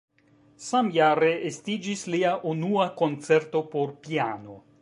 Samjare estiĝis lia unua koncerto por piano.